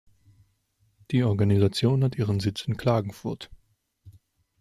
Die Organisation hat ihren Sitz in Klagenfurt.